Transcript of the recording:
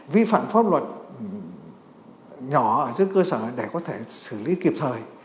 vi phạm pháp luật nhỏ ở dưới cơ sở để có thể xử lý kịp thời